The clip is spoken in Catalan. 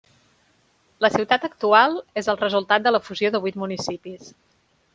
La ciutat actual és el resultat de la fusió de vuit municipis.